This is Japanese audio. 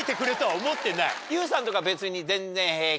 ＹＯＵさんとか別に全然平気？